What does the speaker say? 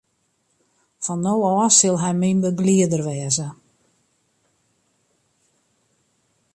Fan no ôf sil hy myn begelieder wêze.